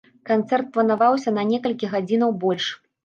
Канцэрт планаваўся на некалькі гадзінаў больш.